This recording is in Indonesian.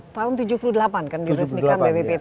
tahun tujuh puluh delapan kan diresmikan bppt